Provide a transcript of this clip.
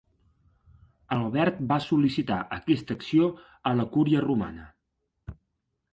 Albert va sol·licitar aquesta acció a la cúria romana.